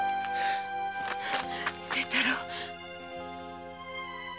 清太郎。